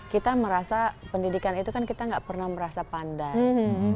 kita merasa pendidikan itu kan kita nggak pernah merasa pandang